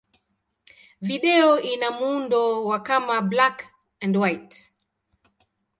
Video ina muundo wa kama black-and-white.